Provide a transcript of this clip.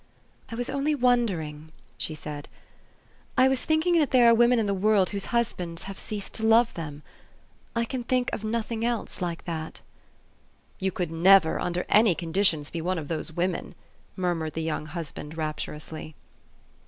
" I was only wondering," she said. " I was thinking that there are women in the world whose husbands have ceased to love them. I can think of nothing else like that." 244 THE STORY OF AVIS. " You could never, under any conditions, be one of those women," murmured the young husband rapturously.